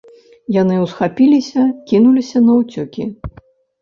Яны ўсхапіліся, кінуліся наўцёкі.